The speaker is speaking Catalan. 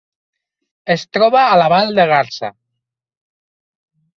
Es troba a la vall de Garza.